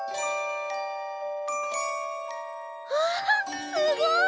あすごい！